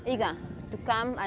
itu adalah waktu pertama saya